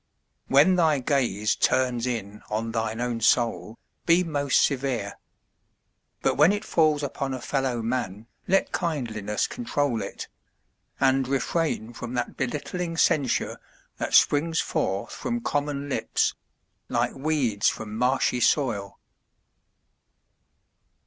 When thy gaze Turns in on thine own soul, be most severe. But when it falls upon a fellow man Let kindliness control it; and refrain From that belittling censure that springs forth From common lips like weeds from marshy soil.